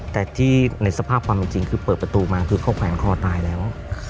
แต่ที่ในสภาพความจริงคือเปิดประตูมาคือเขาแขวนคอตายแล้ว